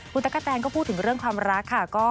คุณตั๊กกะแตนก็พูดถึงเรื่องความรักค่ะ